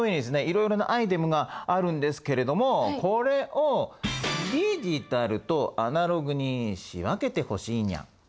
いろいろなアイテムがあるんですけれどもこれをディジタルとアナログに仕分けてほしいにゃん。